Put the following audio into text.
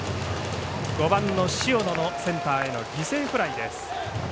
５番の塩野のセンターへの犠牲フライです。